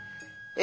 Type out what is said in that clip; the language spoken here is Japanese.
え